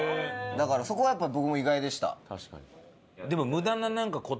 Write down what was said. だからそこはやっぱ僕も意外でした。